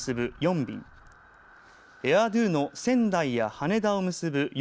便エア・ドゥの仙台や羽田を結ぶ４